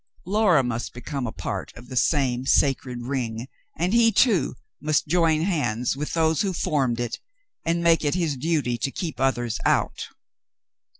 Laura must become a part of the same sacred ring, and he, too, must join hands with those who formed it and make it his duty to keep others out.